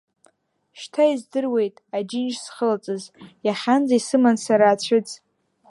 Шьҭа издыруеит Аџьынџь зхылҵыз, иахьанӡа исыман сара ацәыӡ.